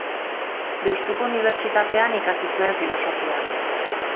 Deustuko Unibertsitatean ikasi zuen Filosofia.